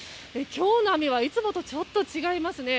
今日の雨はいつもとちょっと違いますね。